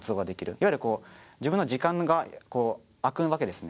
いわゆる自分の時間があくわけですね。